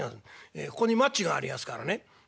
ええここにマッチがありやすからね。